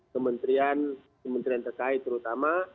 kementerian terkait terutama